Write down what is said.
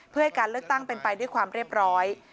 เพื่อให้การเลือกตั้งเป็นไปด้วยความเรียบร้อย